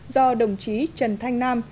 do đồng chí trần thanh nam